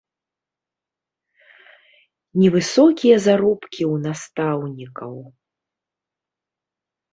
Невысокія заробкі ў настаўнікаў.